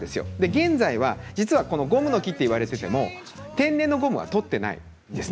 現在はこのゴムノ木といわれていても天然のゴムは取っていないんです。